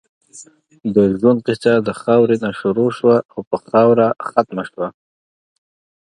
د ژؤند قیصه د خاؤرې نه شروع شوه او پۀ خاؤره ختمه شوه